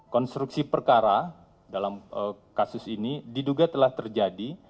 konstruksi perkara dalam kasus ini diduga telah terjadi